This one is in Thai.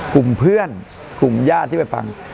กลุ่มเพื่อนกลุ่มญาติที่ไปฟัง